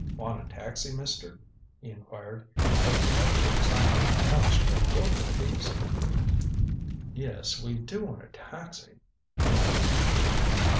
"Want a taxi, mister?" he inquired. "Take you up to the Sunbeam House for a quarter apiece " "Yes, we do want a taxi " Minot began.